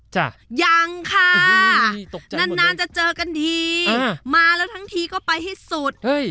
ยังค่ะนานนานจะเจอกันทีมาแล้วทั้งทีก็ไปให้สุดเฮ้ย